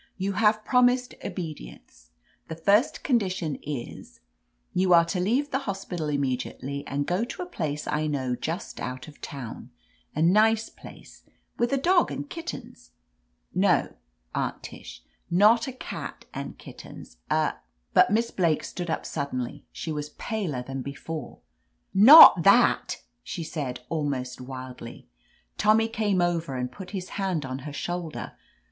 You have promised obedience. The first oMidition is — you are to leave the hospital immediately and go to a place I know just out of town, a nice place, with a dog and kittens — no. Aunt Tish, not a cat and kittens, a —'* But Miss Blake stood up suddenly, she was paler than before. "Not thatr she said almost wildly. Tommy came over and put his hand on her shoulder.